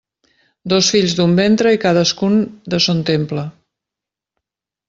Dos fills d'un ventre i cadascun de son temple.